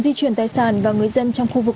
di chuyển tài sản và người dân trong khu vực